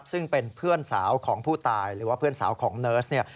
ซึ่งเป็นเพื่อนสาวของผู้ตายหรือว่าเพื่อนสาวของเนิร์สเนี่ย